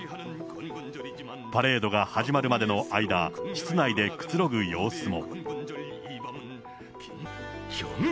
パレードが始まるまでの間、室内でくつろぐ様子も。